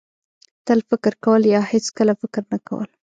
تل فکر کول یا هېڅکله فکر نه کول.